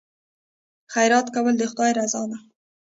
خیرات کول د خدای رضا ده.